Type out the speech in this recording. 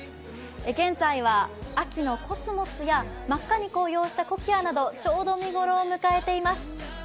現在は秋のコスモスや真っ赤に紅葉したコキアなど、ちょうど見ごろを迎えています。